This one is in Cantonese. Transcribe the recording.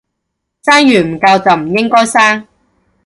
生完唔教就唔應該生